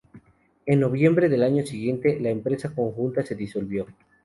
En noviembre del año siguiente, la empresa conjunta se disolvió.